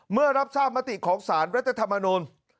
เมื่อรับทราบมติของสารรัฐธรรมนูล